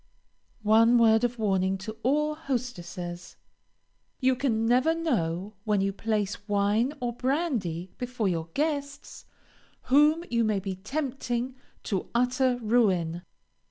One word of warning to all hostesses. You can never know, when you place wine or brandy before your guests, whom you may be tempting to utter ruin.